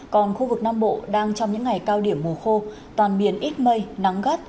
còn khu vực nam bộ đang trong những ngày cao điểm mù khô toàn biển ít mây nắng gắt